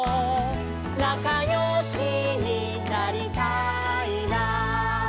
「なかよしになりたいな」